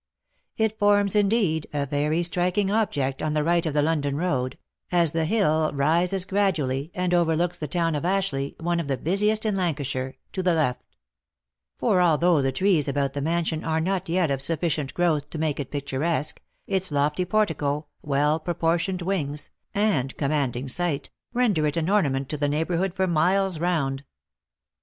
It forms, indeed, a very striking object on the right of the London road, as the hill rises gradually, and overlooks the town of Ashleigh, one of the busiest in Lancashire, to the left ; for although the trees about the mansion are not yet of sufficient growth to make it pic turesque, its lofty portico, well proportioned wings, and command ing site, render it an ornament to the neighbourhood for miles round.